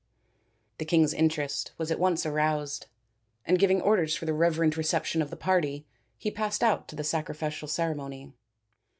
The king's interest was at once aroused, and, giving orders for the reverent reception of the party, he passed out to the sacrificial ceremony.